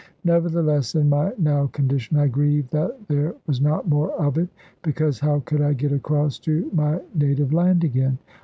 Nevertheless, in my now condition I grieved that there was not more of it. Because how could I get across to my native land again?